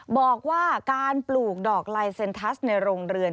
บอกว่าการปลูกดอกลายเซ็นทัสในโรงเรือน